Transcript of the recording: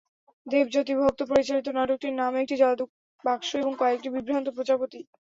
দেবজ্যোতি ভক্ত পরিচালিত নাটকটির নাম একটি জাদুর বাক্স এবং কয়েকটি বিভ্রান্ত প্রজাপতি।